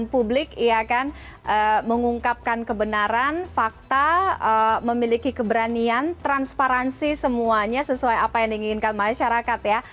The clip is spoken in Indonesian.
publik mengungkapkan kebenaran fakta memiliki keberanian transparansi semuanya sesuai apa yang diinginkan masyarakat ya